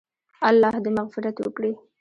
الله دې مغفرت وکړي -